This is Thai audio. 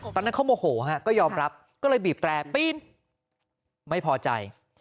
ตอนนั้นเขาโมโหฮะก็ยอมรับก็เลยบีบแตรปีนไม่พอใจ